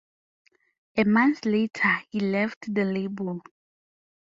A month later, he left the label.